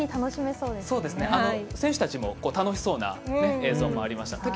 選手たちも楽しそうな映像もありました。